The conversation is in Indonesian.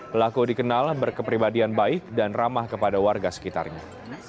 pelaku dikenal berkepribadian baik dan ramah kepada warga sekitarnya